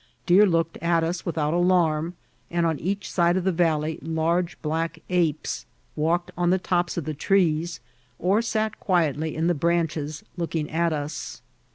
Deer looked at us without alarm, and on each side of the valley large black apes walked on the tops of the trees, or sat quietly in the branches, looking at us.